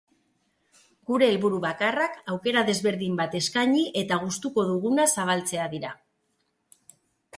Gure helburu bakarrak aukera desberdin bat eskaini eta gustuko duguna zabaltzea dira.